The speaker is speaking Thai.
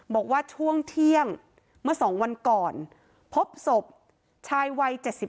บอกว่าช่วงเที่ยงเมื่อ๒วันก่อนพบศพชายวัย๗๒